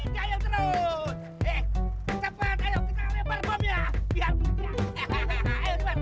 cepet ayo kita lempar bomnya biar bisa